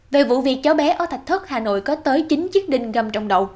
về vụ việc cháu bé ở thách thức hà nội có tới chín chiếc đinh găm trong đầu